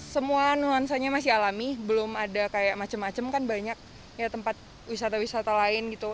semua nuansanya masih alami belum ada kayak macam macam kan banyak tempat wisata wisata lain gitu